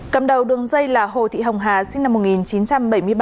cầm đầu đường dây là hồ thị hồng hà sinh năm một nghìn chín trăm bảy mươi ba